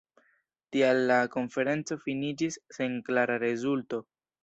Tial la konferenco finiĝis sen klara rezulto.